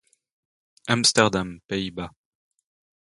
Amsterdam, Pays-Bas.